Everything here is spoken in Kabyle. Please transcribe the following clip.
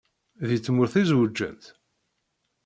Deg tmurt i zewǧent?